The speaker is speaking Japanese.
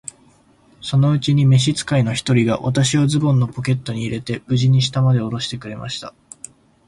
そのうちに召使の一人が、私をズボンのポケットに入れて、無事に下までおろしてくれました。